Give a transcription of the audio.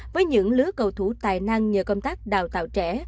với những lứa cầu thủ tài năng nhờ công tác đào tạo trẻ